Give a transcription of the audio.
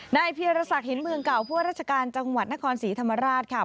นายพิศสัครินตร์เมืองเก่าเพื่อรัชการจังหวัดนครศรีธรรมราชคะ